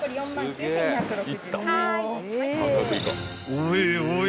［おいおい］